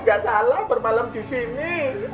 gak salah bermalam disini